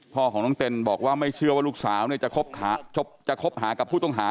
พ่อของน้องเต็นบอกว่าไม่เชื่อว่าลูกสาวจะคบหากับผู้ต้องหา